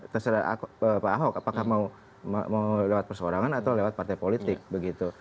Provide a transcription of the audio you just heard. terserah pak ahok apakah mau lewat perseorangan atau lewat partai politik begitu